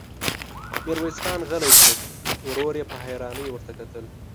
ميرويس خان غلی شو، ورور يې په حيرانۍ ورته کتل.